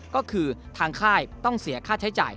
ก็คือทางค่ายต้องเสียค่าใช้จ่าย